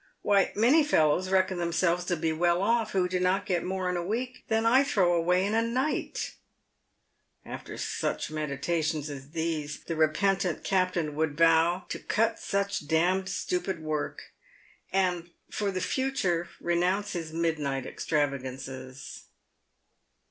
"Why, many fellows reckon themselves to be well off who do not get more in a week than 1 throw away in a night !" After such meditations as these, the repentant captain would vow "to cut such d — d stupid work," and for the future renounce his midnight extravagances.